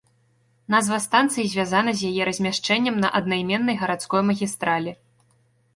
Назва станцыі звязана з яе размяшчэннем на аднайменнай гарадской магістралі.